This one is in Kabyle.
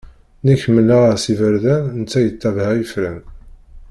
Nekk mmaleɣ-as iberdan, netta yettabaε ifran.